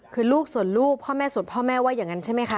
คือลูกส่วนลูกพ่อแม่ส่วนพ่อแม่ว่าอย่างนั้นใช่ไหมคะ